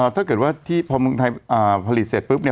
ถ้าเกิดว่าที่พอเมืองไทยผลิตเสร็จปุ๊บ